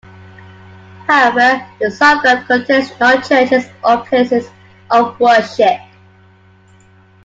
However, the suburb contains no churches or places of worship.